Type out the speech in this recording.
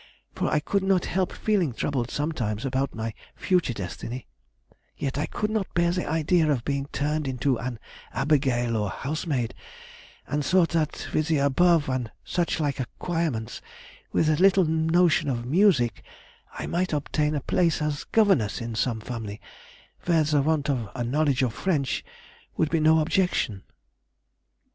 for I could not help feeling troubled sometimes about my future destiny; yet I could not bear the idea of being turned into an Abigail or housemaid, and thought that with the above and such like acquirements with a little notion of Music, I might obtain a place as governess in some family where the want of a knowledge of French would be no objection."